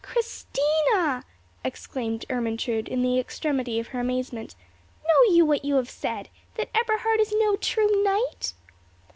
"Christina!" exclaimed Ermentrude in the extremity of her amazement, "know you what you have said?—that Eberhard is no true knight!"